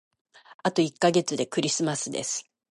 あと一ヶ月でクリスマスです。